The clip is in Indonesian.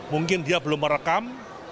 mungkin dia belum merekam